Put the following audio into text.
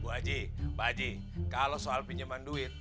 bu haji pak haji kalau soal pinjaman duit